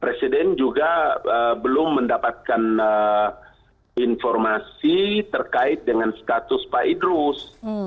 presiden juga belum mendapatkan informasi terkait dengan status pak idrus